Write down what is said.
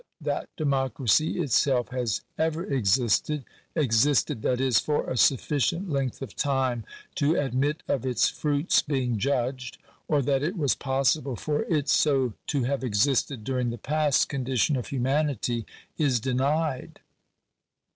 237 that democracy itself has ever existed — existed, that is, for a sufficient length of time to admit of its fruits being judged — or that it was possible for it so to have existed during the past condition of humanity, is denied.